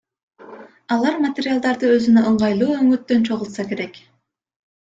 Алар материалдарды өзүнө ыңгайлуу өңүттөн чогултса керек.